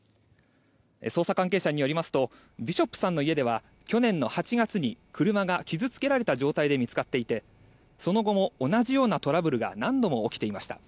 捜査関係者によりますとビショップさんの家では去年の８月に車が傷付けられた状態で見つかっていてその後も同じようなトラブルが何度も起きていました。